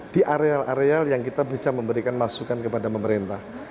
di areal areal yang kita bisa memberikan masukan kepada pemerintah